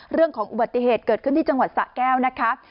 เรื่องของอุบัติเหตุเกิดขึ้นที่จังหวัดสะแก้วนะคะ